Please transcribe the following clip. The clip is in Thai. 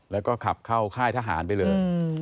แล้วก็ขับเข้าค่ายทหารไปเลย